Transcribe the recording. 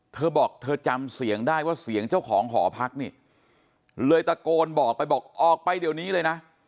เธอบอกเธอจำเสียงได้ว่าเสียงเจ้าของหอพักนี่เลยตะโกนบอกไปบอกออกไปเดี๋ยวนี้เลยนะ